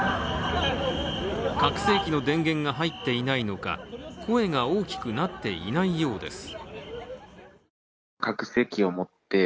拡声器の電源が入っていないのか声が大きくなっていないようです。